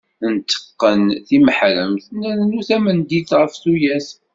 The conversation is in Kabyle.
Nteqqen timeḥremt, nrennu tamendilt ɣef tuyat.